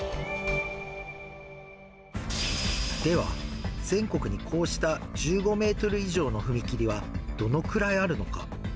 では、全国にこうした１５メートル以上の踏切はどのくらいあるのか。